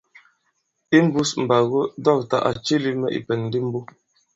Imbūs mbàgo dɔ̂ktà à cilī mɛ̀ ìpɛ̀n di mbo.